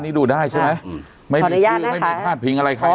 นี่ดูได้ใช่มั้ยขออนุญาตนะคะไม่มีชื่อทาน